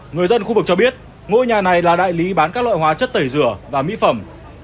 người dân khu vực cho biết ngôi nhà này là đại lý bán các loại hóa chất tẩy rửa và mỹ phẩm